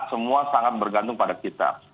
semua sangat bergantung pada kita